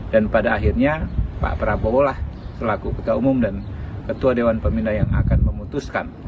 dan pada akhirnya pak prabowo lah selaku ketua umum dan ketua dewan pemindai yang akan memutuskan